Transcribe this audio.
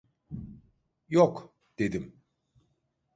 Yok! dedim.